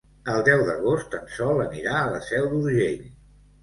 El deu d'agost en Sol anirà a la Seu d'Urgell.